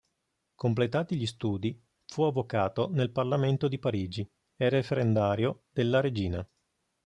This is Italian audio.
Completati gli studi, fu avvocato nel Parlamento di Parigi e referendario della regina.